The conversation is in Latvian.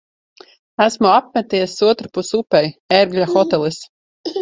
Esmu apmeties otrpus upei. "Ērgļa hotelis".